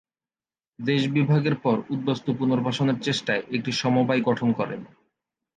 দেশবিভাগের পর উদ্বাস্তু পুনর্বাসনের চেষ্টায় একটি সমবায় গঠন করেন।